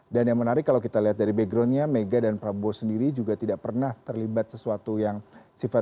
dan yang menarik kalau kita lihat dari backgroundnya mega dan prabowo sendiri juga tidak pernah terlibat sesuatu yang sifatnya konflik secara politik